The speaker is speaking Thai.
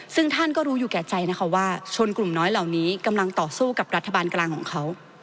ซึ่งท่านก็รู้อยู่แก่ใจนะคะว่าชนกลุ่มน้อยเหล่านี้กำลังต่อสู้กับรัฐบาลกลางของเขา